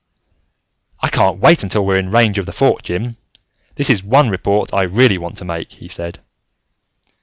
"I can't wait until we're in radio range of the Fort, Jim. This is one report that I really want to make," he said.